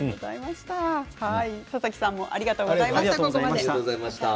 佐々木さんありがとうございました。